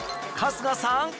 春日さん